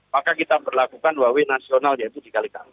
maka kita berlakukan dua w nasional yaitu di kekali kangkung